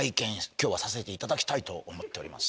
今日はさせていただきたいと思っております